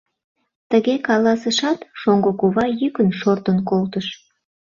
Тыге каласышат, шоҥго кува йӱкын шортын колтыш.